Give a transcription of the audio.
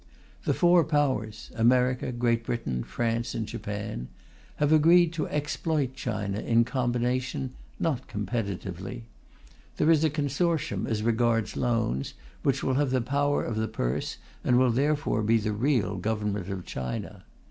The Four Powers America, Great Britain, France, and Japan have agreed to exploit China in combination, not competitively. There is a consortium as regards loans, which will have the power of the purse and will therefore be the real Government of China.